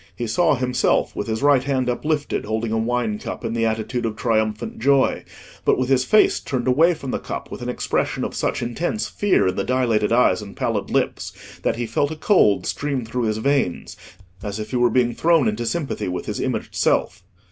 He saw himself with his right hand uplifted, holding a wine cup, in the attitude of triumphant joy, but with his face turned away from the cup with an expression of such intense fear in the dilated eyes and pallid lips, that he felt a cold stream through his veins, as if he were being thrown into sympathy with his imaged self.